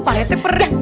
pak rete pergi